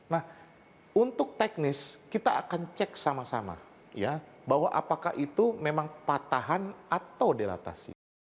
nah untuk teknis kita akan cek sama sama ya bahwa apakah itu memang patahan atau dilatasi